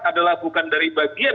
adalah bukan dari bagian